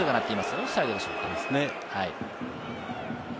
オフサイドでしょうか。